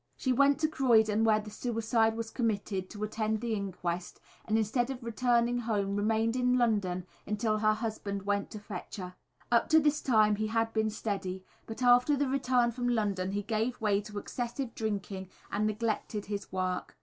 She went to Croydon, where the suicide was committed, to attend the inquest, and instead of returning home remained in London until her husband went to fetch her. Up to this time he had been steady, but after the return from London he gave way to excessive drinking and neglected his work.